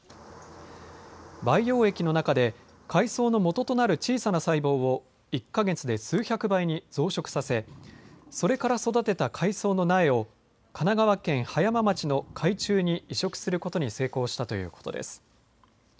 培養液の中で海藻のもととなる小さな細胞を１か月で数百倍に増殖させそれから育てた海藻の苗を神奈川県葉山町の海中に移植することに成功したということです。